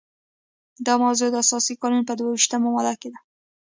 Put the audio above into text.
دا موضوع د اساسي قانون په دوه ویشتمه ماده کې ده.